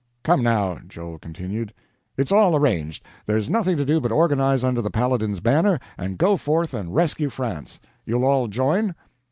"Come, now," Noel continued, "it's all arranged; there's nothing to do but organize under the Paladin's banner and go forth and rescue France. You'll all join?"